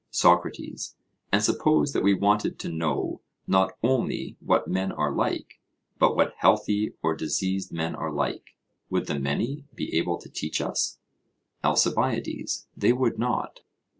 SOCRATES: And suppose that we wanted to know not only what men are like, but what healthy or diseased men are like would the many be able to teach us? ALCIBIADES: They would not.